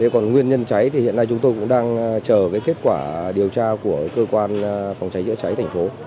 còn nguyên nhân cháy thì hiện nay chúng tôi cũng đang chờ kết quả điều tra của cơ quan phòng cháy chữa cháy thành phố